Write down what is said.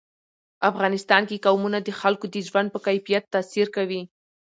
افغانستان کې قومونه د خلکو د ژوند په کیفیت تاثیر کوي.